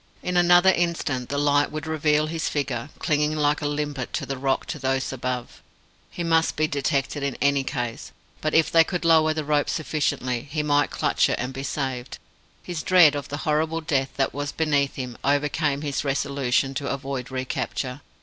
In another instant the light would reveal his figure, clinging like a limpet to the rock, to those above. He must be detected in any case; but if they could lower the rope sufficiently, he might clutch it and be saved. His dread of the horrible death that was beneath him overcame his resolution to avoid recapture.